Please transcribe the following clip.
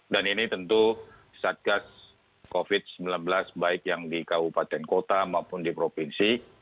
dan ini tentu saat kasus covid sembilan belas baik yang di kabupaten kota maupun di provinsi